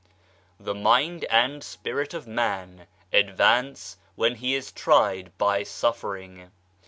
The mind and spirit of man advance when he is tried by suffering.